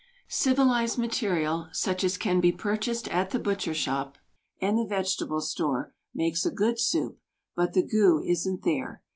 Civilized material such as can be purchased at the butcher shop and the vegetable store makes a good soup, but the "goo" isn't there.